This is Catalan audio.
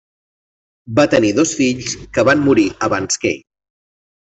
Va tenir dos fills que van morir abans que ell.